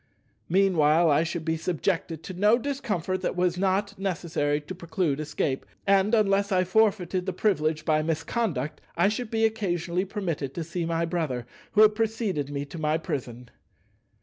Meanwhile I should be subjected to no discomfort that was not necessary to preclude escape, and, unless I forfeited the privilege by misconduct, I should be occasionally permitted to see my brother who had preceded me to my prison.